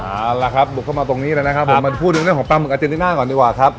เอาล่ะครับบุกเข้ามาตรงนี้เลยนะครับผมมาพูดถึงเรื่องของปลาหมึกอาเจนติน่าก่อนดีกว่าครับ